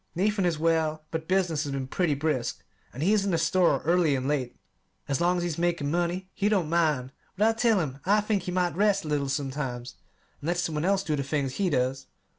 Nathan is well, but business has been pretty brisk, and he is in the store early and late. As long as he's making money, he don't mind; but I tell him I think he might rest a little sometimes, and let some one else do the things he does.